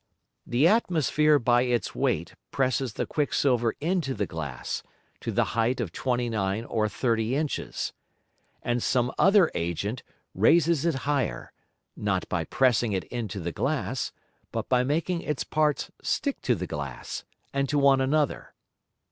The Atmosphere by its weight presses the Quick silver into the Glass, to the height of 29 or 30 Inches. And some other Agent raises it higher, not by pressing it into the Glass, but by making its Parts stick to the Glass, and to one another.